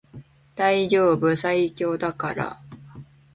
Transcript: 大丈夫最強だから